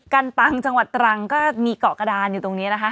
กันตังจังหวัดตรังก็มีเกาะกระดานอยู่ตรงนี้นะคะ